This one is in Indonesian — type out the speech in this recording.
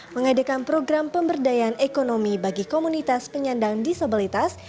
mengadakan program pemberdayaan ekonomi bagi komunitas penyandang disabilitas